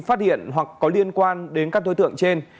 phát hiện hoặc có liên quan đến các đối tượng trên